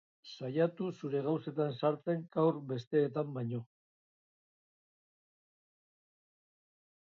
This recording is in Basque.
Saiatu zure gauzetan sartzen gaur besteenetan baino.